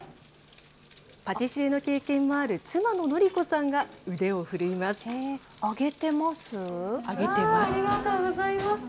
パティシエの経験もある妻の紀子さんが腕を振るいます。